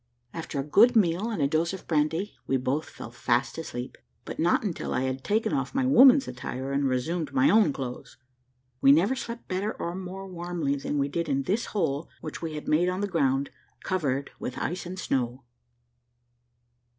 After a good meal and a dose of brandy, we both fell fast asleep, but not until I had taken off my woman's attire and resumed my own clothes. We never slept better or more warmly than we did in this hole which we had made on the ground, covered with ice and snow.